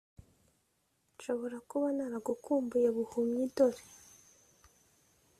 nshobora kuba naragukumbuye buhumyi. dore